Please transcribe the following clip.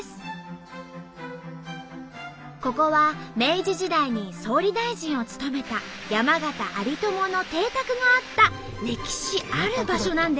ここは明治時代に総理大臣を務めた山縣有朋の邸宅があった歴史ある場所なんです。